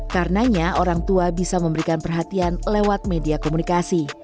karenanya orang tua bisa memberikan perhatian lewat media komunikasi